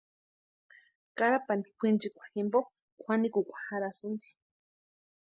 Karapani kwʼinchikwa jimpo kwʼanikukwa jarhasïnti.